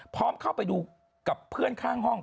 เข้าไปดูกับเพื่อนข้างห้อง